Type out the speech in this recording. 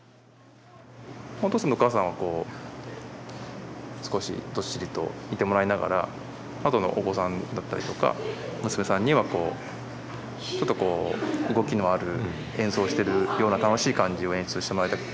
おとうさんとおかあさんはこう少しどっしりといてもらいながらあとのお子さんだったりとか娘さんにはこうちょっとこう動きのある演奏しているような楽しい感じを演出してもらいたくって。